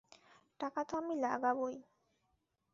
টাকা তো আমি লাগাবোই।